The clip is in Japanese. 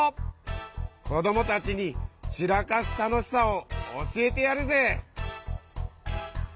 こどもたちにちらかすたのしさをおしえてやるぜ！